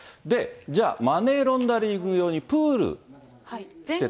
じゃあ、マネーロンダリング用にプールしてた場合。